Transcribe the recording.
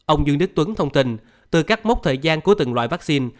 ông dương đức tuấn thông tin từ các mốc thời gian của từng loại vaccine